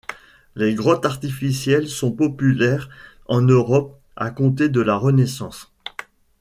Les grottes artificielles sont populaires en Europe à compter de la Renaissance.